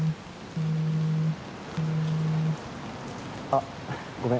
あっごめん。